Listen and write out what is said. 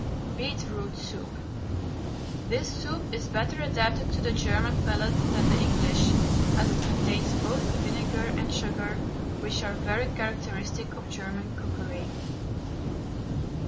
BEETROOT SOUP. This soup is better adapted to the German palate than the English, as it contains both vinegar and sugar, which are very characteristic of German cookery.